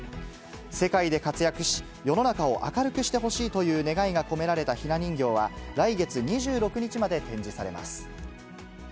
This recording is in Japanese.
世界で活躍し、世の中を明るくしてほしいという願いが込められたひな人形は、来月２６日まで展示されます。